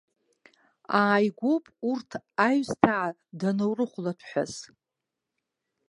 Ааигәоуп урҭ аҩсҭаа данрыхәлаҭәҳәаз.